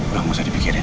gak usah dipikirin